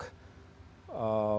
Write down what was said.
dan siapapun yang memiliki otoritas untuk